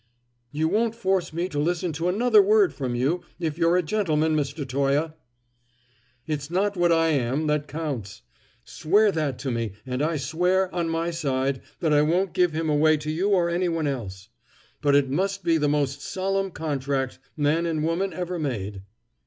"You won't force me to listen to another word from you, if you're a gentleman, Mr. Toye!" "It's not what I am that counts. Swear that to me, and I swear, on my side, that I won't give him away to you or any one else. But it must be the most solemn contract man and woman ever made."